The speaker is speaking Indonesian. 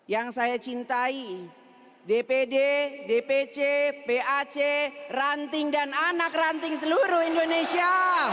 yang saya cintai dpd dpc pac ranting dan anak ranting seluruh indonesia